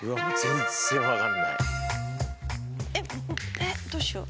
えっどうしよう。